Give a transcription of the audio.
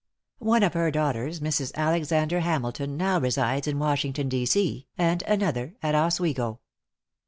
One of her daughters, Mrs. Alexander Hamilton, now resides in Washington, D. C., and another at Oswego.